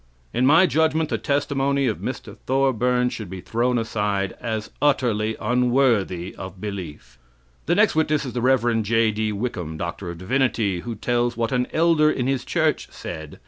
In my judgment, the testimony of Mr. Thorburn should be thrown aside as utterly unworthy of belief. The next witness is the Rev. J.D. Wickham, D.D., who tells what an elder in his church said.